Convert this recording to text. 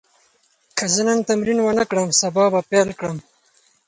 که زه نن تمرین ونه کړم، سبا به پیل کړم.